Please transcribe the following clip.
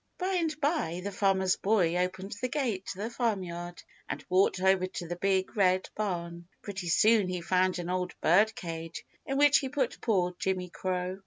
By and by the Farmer's Boy opened the gate to the Farmyard and walked over to the Big Red Barn. Pretty soon he found an old birdcage, in which he put poor Jimmy Crow.